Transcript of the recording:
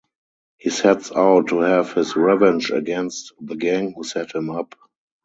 He sets out to have his revenge against the gang who set him up.